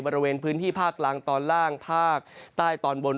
บริเวณพื้นที่ภาคล่างตอนล่างภาคใต้ตอนบน